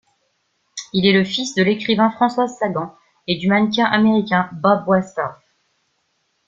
Il est le fils de l'écrivain Françoise Sagan et du mannequin américain Bob Westhoff.